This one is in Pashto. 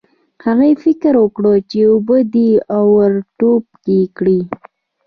هغې فکر وکړ چې اوبه دي او ور ټوپ یې کړل.